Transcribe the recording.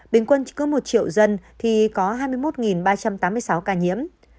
bình quân cứ một triệu dân thì có hai mươi một ba trăm tám mươi sáu ca nhiễm